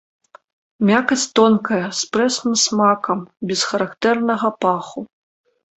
Мякаць тонкая, з прэсным смакам, без характэрнага паху.